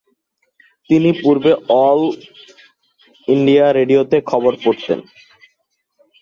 তিনি পূর্বে all India রেডিওতে খবর পড়তেন।